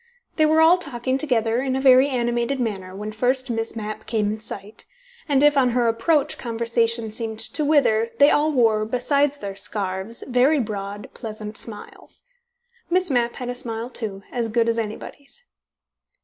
They were all talking together in a very animated manner when first Miss Mapp came in sight, and if, on her approach, conversation seemed to wither, they all wore, besides their scarves, very broad, pleasant smiles. Miss Mapp had a smile, too, as good as anybody's.